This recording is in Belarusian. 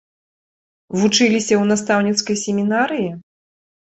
Вучыліся ў настаўніцкай семінарыі?